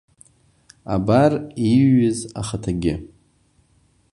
Абар ииҩыз ахаҭагьы…